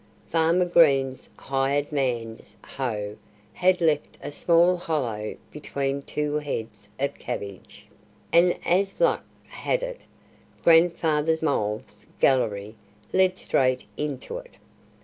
Farmer Green's hired man's hoe had left a small hollow between two heads of cabbage; and as luck had it, Grandfather Mole's gallery led straight into it.